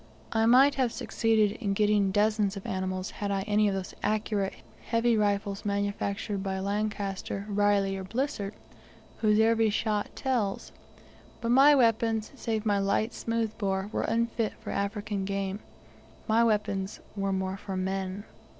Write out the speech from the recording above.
I might have succeeded in getting dozens of animals had I any of those accurate, heavy rifles manufactured by Lancaster, Reilly, or Blissett, whose every shot tells. But my weapons, save my light smoothbore, were unfit for African game. My weapons were more for men.